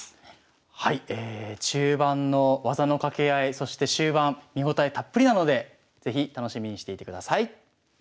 はいえ中盤の技のかけ合いそして終盤見応えたっぷりなので是非楽しみにしていてください。